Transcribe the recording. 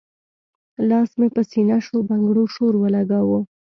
لاس مې پۀ سينه شو بنګړو شور اولګوو